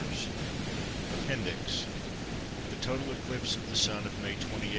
] APPENDIX. THE TOTAL ECLIPSE OF THE SUN OF MAY 28, 1900.